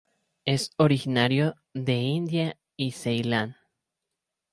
Es originario de India y Ceilán.